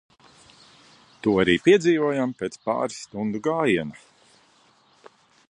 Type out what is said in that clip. To arī piedzīvojām pēc pāris stundu gājiena.